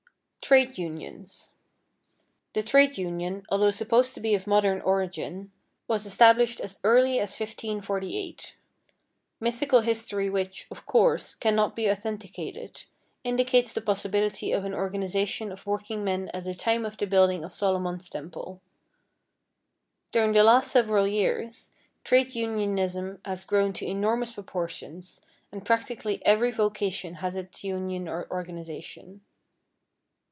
=Trade Unions.= The trade union, although supposed to be of modern origin, was established as early as 1548. Mythical history which, of course, cannot be authenticated, indicates the possibility of an organization of working men at the time of the building of Solomon's temple. During the last several years, trade unionism has grown to enormous proportions, and practically every vocation has its union or organization.